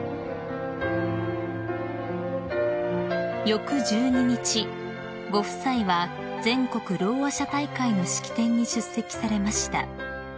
［翌１２日ご夫妻は全国ろうあ者大会の式典に出席されました］